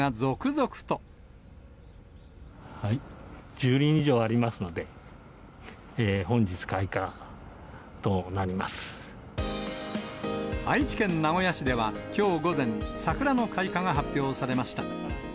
１０輪以上ありますので、愛知県名古屋市ではきょう午前、桜の開花が発表されました。